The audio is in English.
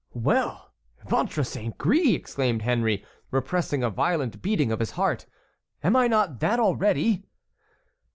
"Well! Ventre saint gris!" exclaimed Henry, repressing a violent beating of his heart; "am I not that already?"